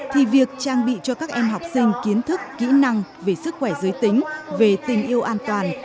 thì việc trang bị cho các em học sinh kiến thức kỹ năng về sức khỏe giới tính về tình yêu an toàn